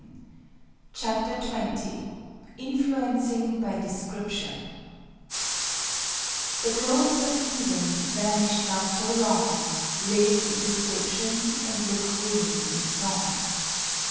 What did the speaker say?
] CHAPTER XX INFLUENCING BY DESCRIPTION The groves of Eden vanish'd now so long, Live in description, and look green in song.